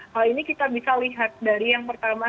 hal ini kita bisa lihat dari yang pertama